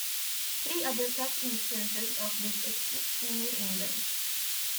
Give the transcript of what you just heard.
Three other such instances of this exist in New England.